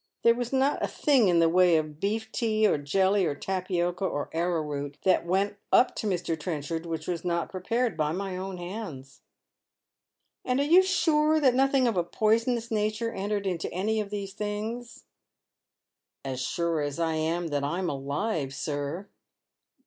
There was not a thing in the way of A A 370 Dead Men's Shoea. beef tea, or ielly, or tapioca, or arrowroot that went up to Mr. Trenchard which was not prepared by my own hands." " And are you sure that nothing of a poisonous nature entered into any of these things ?"" As sure as I am that I'm alive, sir."